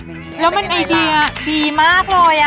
แล้วมันไอเดียดีมากเลย